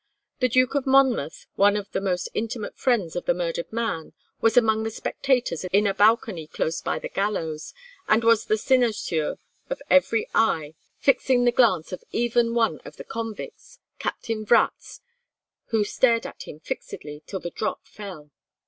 The Duke of Monmouth, one of the most intimate friends of the murdered man, was among the spectators in a balcony close by the gallows, and was the cynosure of every eye, fixing the glance of even one of the convicts, Captain Vratz, who stared at him fixedly till the drop fell.